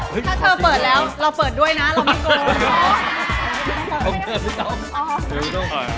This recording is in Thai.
ถ้าเธอเปิดแล้วเราเปิดด้วยนะเราไม่โกง